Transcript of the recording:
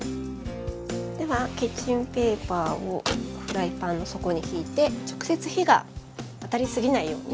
ではキッチンペーパーをフライパンの底にひいて直接火が当たりすぎないようにひいておきます。